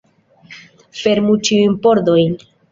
Fermu ĉiujn pordojn!